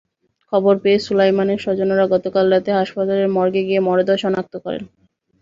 খবর পেয়ে সোলাইমানের স্বজনেরা গতকাল রাতে হাসপাতালের মর্গে গিয়ে মরদেহ শনাক্ত করেন।